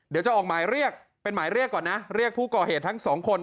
เดี๋ยวออกหมายเรียกก่อนเรียกผู้ก่อเหตุทั้ง๒คนก็คือ